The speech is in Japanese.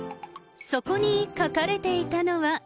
そこに書かれていたのは。